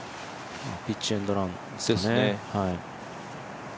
ピッチエンドラン。